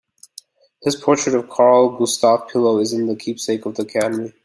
His portrait of Carl Gustaf Pilo is in the keepsake of the Academy.